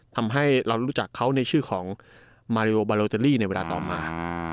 ทำให้เรารู้จักเขาในชื่อของมาริโอบาโลเตอรี่ในเวลาต่อมา